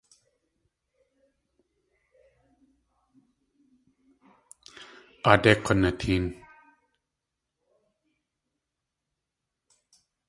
Aadé k̲unateen!